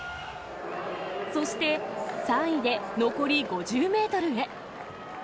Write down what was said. そして、３位で残り５０メートルへ。